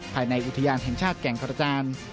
ภายในอุทยานแห่งชาติแก่งกระจาน